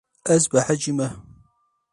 Ez behecî me.